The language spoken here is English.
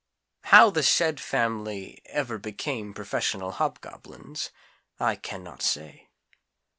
How the SAID family ever became professional Hobgoblins, I can not say.